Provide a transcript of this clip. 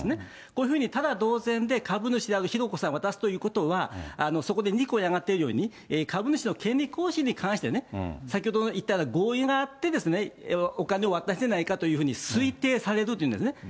こういうふうにただ同然で株主である浩子さんに渡すということは、そこの２項に上がっているように、株主の権利行使に関して、先ほどの言った合意があって、お金を渡していないかというふうに推定されるというんですね。